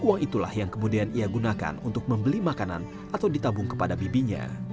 uang itulah yang kemudian ia gunakan untuk membeli makanan atau ditabung kepada bibinya